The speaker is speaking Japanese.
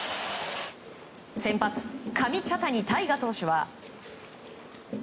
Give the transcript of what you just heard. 先発、上茶谷大河投手は。